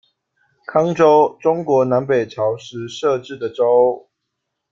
康州，中国南北朝时设置的州。